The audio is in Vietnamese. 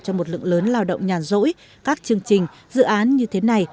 cho một lượng lớn lao động nhàn rỗi các chương trình dự án như thế này